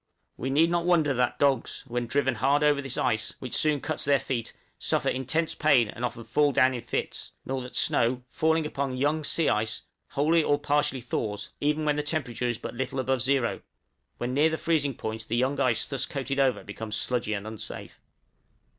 We need not wonder that dogs, when driven hard over this ice, which soon cuts their feet, suffer intense pain, and often fall down in fits; nor that snow, falling upon young (sea) ice, wholly or partially thaws, even when the temperature is but little above zero; when near the freezing point the young ice thus coated over becomes sludgy and unsafe.